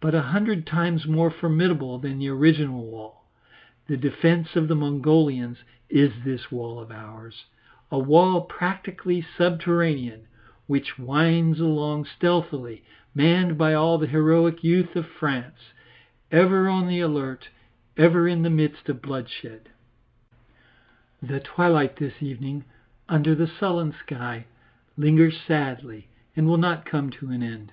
But a hundred times more formidable than the original wall, the defence of the Mongolians, is this wall of ours, a wall practically subterranean, which winds along stealthily, manned by all the heroic youth of France, ever on the alert, ever in the midst of bloodshed. The twilight this evening, under the sullen sky, lingers sadly, and will not come to an end.